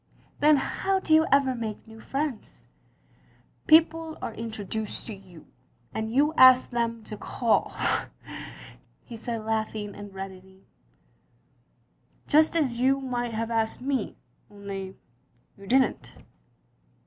"Then how do you ever make new friends?" "People are introduced to you — and you ask them to call —" he said laughing and reddening, "just as you might have asked me, only you didn't."